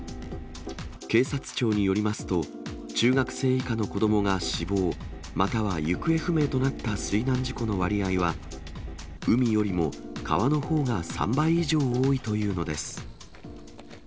警察庁によりますと、中学生以下の子どもが死亡または行方不明となった水難事故の割合は、海よりも川のほうが３倍以上多いというのです。